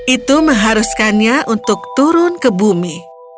itu mengharuskannya untuk turun ke bumi